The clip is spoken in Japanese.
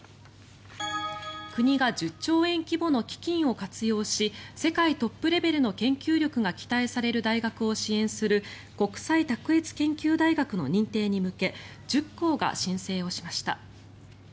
国が１０兆円規模の基金を活用し世界トップレベルの研究力が期待される大学を支援する国際卓越研究大学の認定に向け１０校が申請をしました。